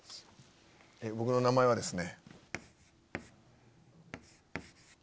僕の名前はですね。